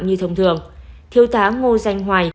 như thông thường thiếu tá ngô danh hoài